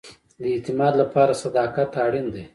د اعتماد لپاره صداقت اړین دی